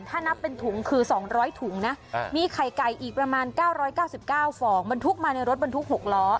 ถ้านับเป็นถุงคือ๒๐๐ถุงนะมีไข่ไก่อีกประมาณ๙๙๙ฟองบรรทุกมาในรถบรรทุก๖ล้อ